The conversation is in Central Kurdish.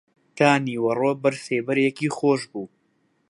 تا نیوەڕۆ بەر سێبەرێکی خۆش بوو